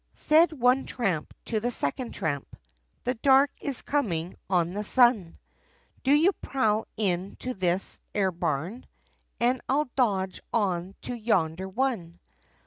SAID one tramp, to the second tramp, "The dark is comin' on the sun, Do you prowl in to this 'ere barn. And I'll dodge on to yonder one.